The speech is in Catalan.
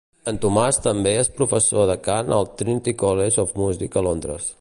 En Tomàs també és professor de cant al Trinity College of Music a Londres.